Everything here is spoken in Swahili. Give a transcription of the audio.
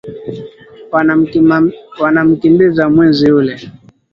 Wanamkimbiza mwizi yule